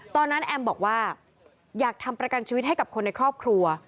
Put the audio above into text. แอมบอกว่าอยากทำประกันชีวิตให้กับคนในครอบครัว